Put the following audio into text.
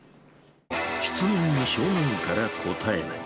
質問に正面から答えない。